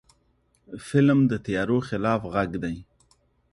فلم د تیارو خلاف غږ دی